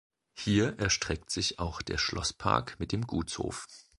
Hier erstreckt sich auch der Schlosspark mit dem Gutshof.